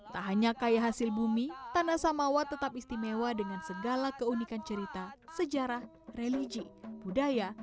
tak hanya kaya hasil bumi tanah samawa tetap istimewa dengan segala keunikan cerita sejarah religi budaya